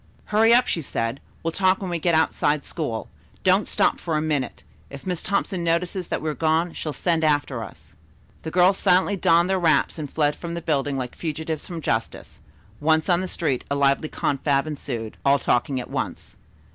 "Hurry up," she said. "We'll talk when we get outside school. Don't stop for a minute. If Miss Thompson notices that we are gone, she'll send after us." The girls silently donned their wraps and fled from the building like fugitives from justice. Once on the street a lively confab ensued, all talking at once.